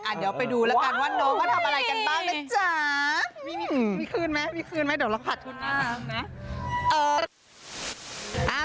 อ่าเดี๋ยวไปดูละกันว่าน้องก็ทำอะไรกันบ้างนะจ๊ะมีคืนมั้ยมีคืนมั้ยเดี๋ยวเราผัด